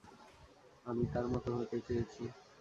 আমি তার মতো হতে চেয়েছি!